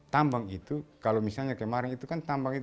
tambang itu kalau misalnya kemarin itu kan tambang itu